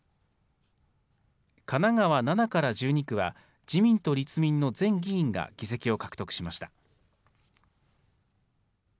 神奈川７から１２区は、自民と立民の前議員が議席を獲得しました。